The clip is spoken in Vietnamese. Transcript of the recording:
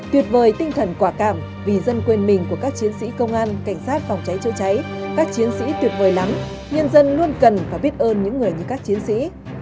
tuyệt vời tinh thần quả cảm vì dân quên mình của các chiến sĩ công an cảnh sát phòng cháy chữa cháy các chiến sĩ tuyệt vời lắm nhân dân luôn cần và biết ơn những người như các chiến sĩ